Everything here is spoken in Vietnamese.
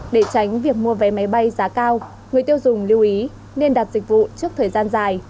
để tránh việc mua vé máy bay giá cao người tiêu dùng lưu ý nên đặt dịch vụ trước thời gian dài